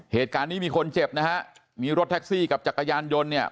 เหตุการณ์นี้มีคนเจ็บนะฮะมีรถแท็กซี่กับจักรยานยนต์เนี่ย